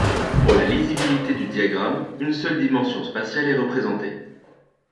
Pour la lisibilité du diagramme, une seule dimension spatiale est représentée.